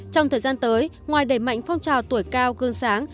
trong thời gian tới ngoài đẩy mạnh phong trào tuổi cao gương sáng